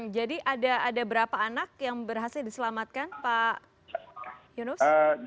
jadi ada berapa anak yang berhasil diselamatkan pak yunus